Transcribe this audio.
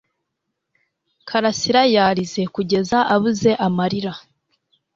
Karasira yarize kugeza abuze amarira.